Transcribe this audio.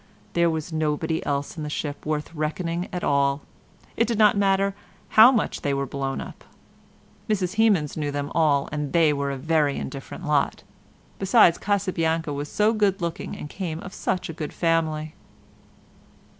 There was nobody else in the ship worth reckoning at all: it did not matter how much they were blown up. Mrs Hemans knew them all and they were a very indifferent lot. Besides Casabianca was so good looking and came of such a good family."